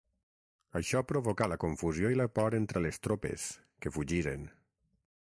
Això provocà la confusió i la por entre les tropes, que fugiren.